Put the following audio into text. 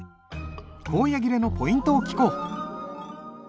「高野切」のポイントを聞こう。